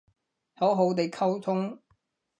好好哋溝通